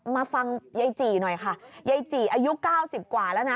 มาฟังยายจี่หน่อยค่ะยายจีอายุ๙๐กว่าแล้วนะ